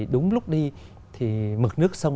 đúng lúc đi thì mực nước sông